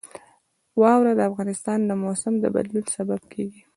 واوره د افغانستان د موسم د بدلون سبب کېږي.